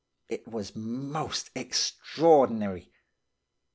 It was most extraordinary.